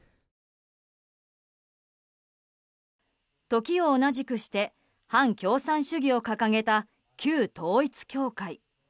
時を同じくして反共産主義を掲げた旧統一教会。